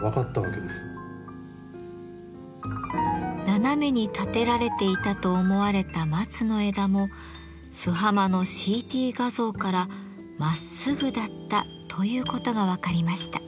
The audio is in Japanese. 斜めに立てられていたと思われた松の枝も「洲浜」のＣＴ画像からまっすぐだったということが分かりました。